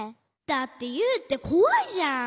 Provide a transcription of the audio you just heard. だってユウってこわいじゃん。